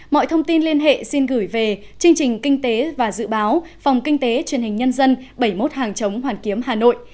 mọi thông tin liên hệ xin gửi về chương trình kinh tế và dự báo phòng kinh tế truyền hình nhân dân bảy mươi một hàng chống hoàn kiếm hà nội